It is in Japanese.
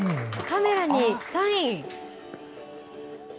カメラにサイン。